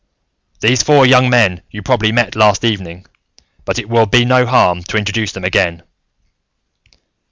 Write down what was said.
These four young men you probably met last evening, but it will do no harm to introduce them again.